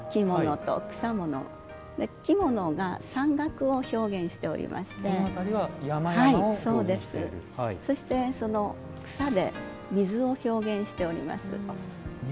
木ものと草もの木ものが山岳を表現していましてそして、その草で水を表現しております。